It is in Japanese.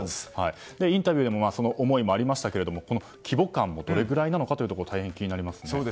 インタビューでもその思いもありましたけど規模間もどれぐらいなのかが大変気になりますね。